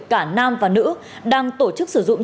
cả nam và nữ đang tổ chức sử dụng